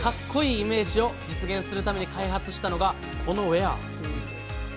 イメージを実現するために開発したのがこのウエア。